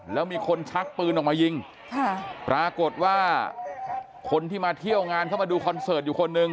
แล้วมีคนชักปืนออกมายิงค่ะปรากฏว่าคนที่มาเที่ยวงานเข้ามาดูคอนเสิร์ตอยู่คนหนึ่ง